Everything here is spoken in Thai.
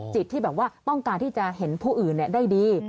ที่แบบว่าต้องการที่จะเห็นผู้อื่นได้ดี